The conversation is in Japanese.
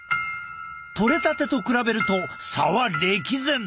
とれたてと比べると差は歴然。